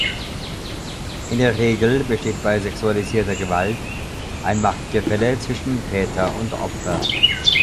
In der Regel besteht bei sexualisierter Gewalt ein Machtgefälle zwischen Täter und Opfer.